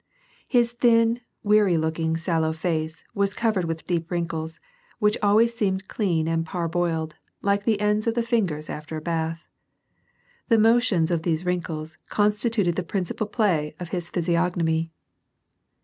His thin, weary looking sallow face was covered with deep wrinkles, which always seemed clean and parboiled, like the ends of the fingers after a bath. The motions of these wrin kles constituted the principal play of his physiognomy.